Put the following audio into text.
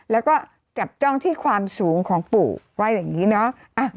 แล้วก็จับจ้องที่ความสูงของปู่ว่าอย่างนี้เนาะ